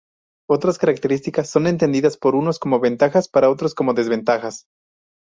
Otras características son entendidas por unos como ventajas, para otros como desventajas.